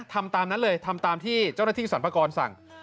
ทำตามนั้นเลยทำตามที่เจ้าหน้าที่สรรพากรสั่ง